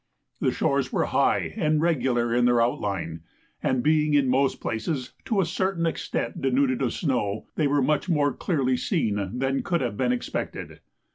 The shores were high and regular in their outline, and being, in most places, to a certain extent denuded of snow, they were much more clearly seen than could have been expected.